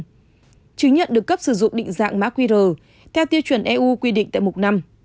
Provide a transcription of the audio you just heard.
bước bốn chứng nhận được cấp sử dụng định dạng mạc qr theo tiêu chuẩn eu quy định tại mục năm